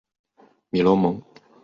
米罗蒙。